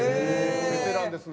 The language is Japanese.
ベテランですね。